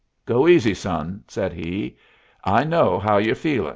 "Go easy, son," said he. "I know how you're feelin'."